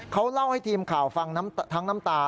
เขาเล่าให้ทีมข่าวฟังทั้งน้ำตา